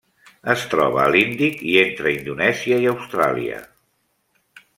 Es troba a l'Índic i entre Indonèsia i Austràlia.